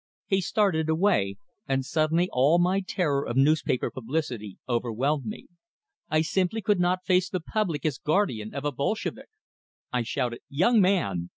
He started away; and suddenly all my terror of newspaper publicity overwhelmed me. I simply could not face the public as guardian of a Bolshevik! I shouted: "Young man!"